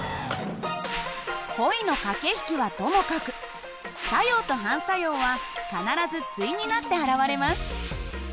恋の駆け引きはともかく作用と反作用は必ず対になって現れます。